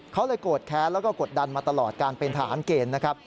เขาเลยโกรธแค้นแล้วก็กดดันมาตลอดการเป็นทหารเกณฑ์นะครับ